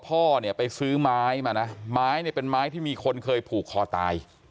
พ่อเนี่ยไปซื้อไม้มานะไม้เนี่ยเป็นไม้ที่มีคนเคยผูกคอตาย